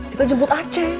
kita jemput aceh